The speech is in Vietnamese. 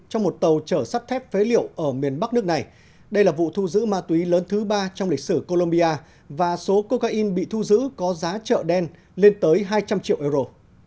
trong một tàu chở sắt thép phế liệu ở miền bắc nước này đây là vụ thu giữ ma túy lớn thứ ba trong lịch sử colombia và số cocaine bị thu giữ có giá chợ đen lên tới hai trăm linh triệu euro